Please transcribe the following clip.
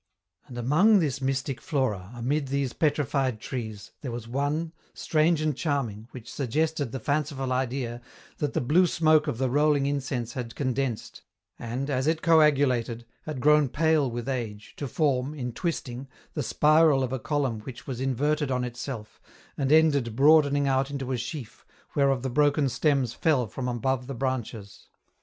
And among this mystic flora, amid these petrified trees, there was one, strange and charming, which suggested the fanciful idea, that the blue smoke of the rolling incense had condensed, and, as it coagulated, had grown pale with age, to form, in twisting, the spiral of a column which was inverted on itself, and ended broadening out into a sheaf, whereof the broken stems fell from above the arches.